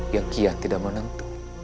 yang kian tidak menentu